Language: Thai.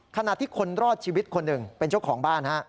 ขณะที่คนรอดชีวิตคนหนึ่งเป็นเจ้าของบ้าน